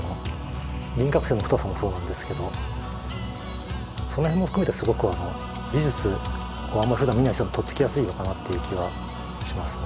輪郭線の太さもそうなんですけどそのへんも含めてすごく美術をあんまふだん見ない人もとっつきやすいのかなっていう気はしますね